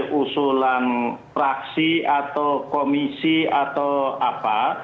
dari usulan fraksi atau komisi atau apa